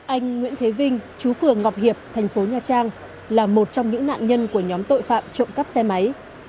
anh nguyễn thế vinh chú phường ngọc hiệp thành phố nha trang là một trong những nạn nhân của nhóm tội phạm trộm cắp xe máy